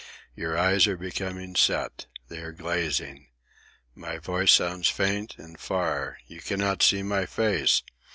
Your eyes are becoming set. They are glazing. My voice sounds faint and far. You cannot see my face.